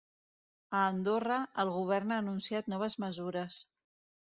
A Andorra, el govern ha anunciat noves mesures.